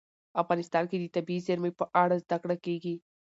افغانستان کې د طبیعي زیرمې په اړه زده کړه کېږي.